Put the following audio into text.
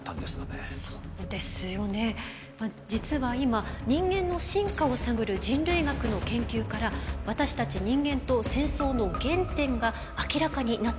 実は今人間の進化を探る人類学の研究から私たち人間と戦争の原点が明らかになってきているんです。